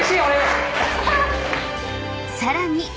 ［さらに］